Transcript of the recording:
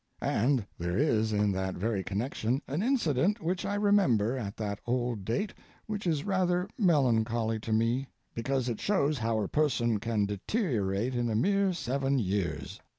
And there is in that very connection an incident which I remember at that old date which is rather melancholy to me, because it shows how a person can deteriorate in a mere seven years.